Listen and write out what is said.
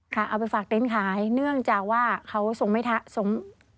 เอาไปฝากเต้นขายเนื่องจากว่าเขาส่งไม่ทะส่ง